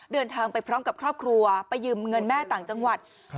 เดินทางไปพร้อมกับครอบครัวไปยืมเงินแม่ต่างจังหวัด